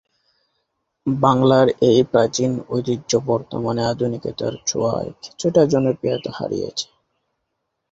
বাংলার এই প্রাচীন ঐতিহ্য বর্তমানে আধুনিকতার ছোঁয়ায় কিছুটা জনপ্রিয়তা হারিয়েছে।